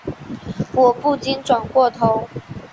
我不禁转过头